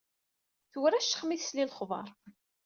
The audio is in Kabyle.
Tewraccex mi tesla s lexber.